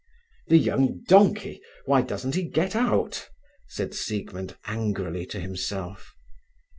"The young donkey, why doesn't he get out?" said Siegmund angrily to himself.